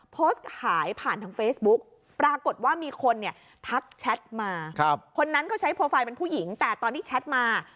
โพสต์ขายผ่านทางเฟซบุ๊กปรากฏว่ามีคนเนี่ยทักแชทมาคนนั้นก็ใช้โปรไฟล์เป็นผู้หญิงแต่ตอนที่แชทมา